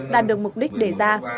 đạt được mục đích đề ra